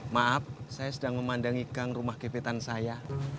maaf saya sedang memandangi gang rumah gepetan saya